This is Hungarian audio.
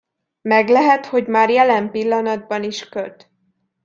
Meglehet, hogy már jelen pillanatban is köt.